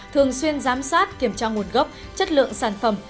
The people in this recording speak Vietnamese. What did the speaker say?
thường xuyên giám sát kiểm tra nguồn gốc chất lượng sản phẩm